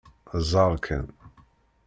Ẓer kan!